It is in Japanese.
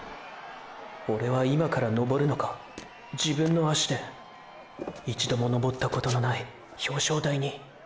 オレは今から登るのか自分の足で――一度も登ったことのない表彰台に――！！